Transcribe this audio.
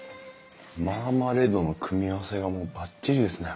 マーマレードの組み合わせがもうばっちりですね。